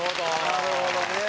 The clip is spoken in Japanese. なるほどね。